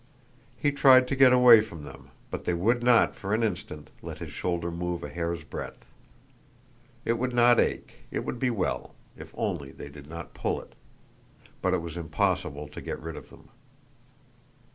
He tried to get away from them, but they would not for an instant let his shoulder move a hair's breadth. It would not ache—it would be well—if only they did not pull it, but it was impossible to get rid of them.